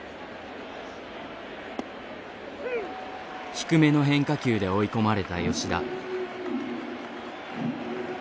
低めの変化球で追い込まれた吉田。